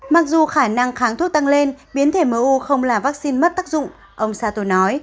mặc dù khả năng kháng thuốc tăng lên biến thể mu không là vaccine mất tác dụng ông sato nói